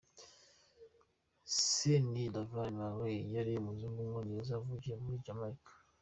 Se ni Narval Marley, yari umuzungu w’Umwongereza wavukiye muri Jamaica.